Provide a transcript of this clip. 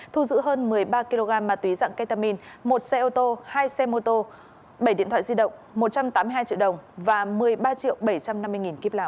thu giữ hơn một mươi ba kg ma túy dạng ketamin một xe ô tô hai xe mô tô bảy điện thoại di động một trăm tám mươi hai triệu đồng và một mươi ba triệu bảy trăm năm mươi nghìn kíp lào